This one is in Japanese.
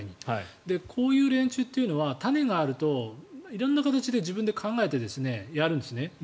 こういう連中というのは種があると色んな形で自分で考えてやるんですね。